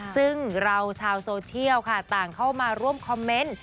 ซึ่งเราชาวโซเชียลค่ะต่างเข้ามาร่วมคอมเมนต์